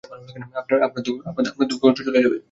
আপনার দুঃখ কষ্ট চলে যাবে।